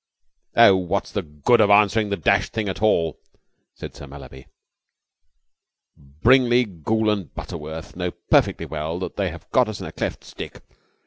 "Oh, what's the good of answering the dashed thing at all?" said Sir Mallaby. "Brigney, Goole and Butterworth know perfectly well that they have got us in a cleft stick.